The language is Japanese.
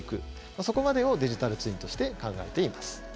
そこまでをデジタルツインとして考えています。